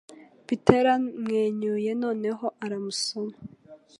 Peter yaramwenyuye noneho aramusoma.